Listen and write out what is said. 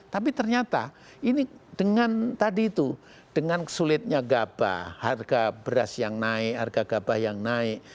tapi ternyata ini dengan tadi itu dengan sulitnya gabah harga beras yang naik harga gabah yang naik